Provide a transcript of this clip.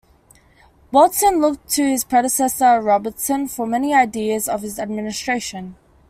Walton looked to his predecessor Robertson for many ideas of his administration.